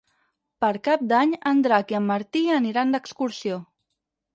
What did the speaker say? Per Cap d'Any en Drac i en Martí aniran d'excursió.